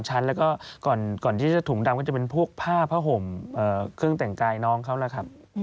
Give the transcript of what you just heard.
ชั้นแล้วก็ก่อนที่จะถุงดำก็จะเป็นพวกผ้าผ้าห่มเครื่องแต่งกายน้องเขาล่ะครับ